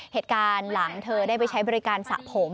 เหตุการณ์หลังเธอได้ไปใช้บริการสระผม